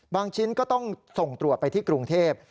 ชิ้นก็ต้องส่งตรวจไปที่กรุงเทพ